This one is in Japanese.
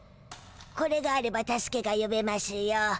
これがあれば助けがよべましゅよ。